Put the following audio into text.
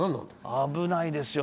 危ないですよ。